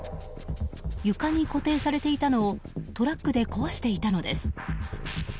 床に固定されていたのをトラックで壊していたのです。